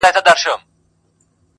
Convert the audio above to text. یاره وتله که چيري د خدای خپل سوې،